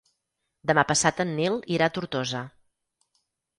Demà passat en Nil irà a Tortosa.